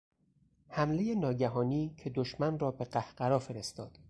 حملهی ناگهانی که دشمن را به قهقرا فرستاد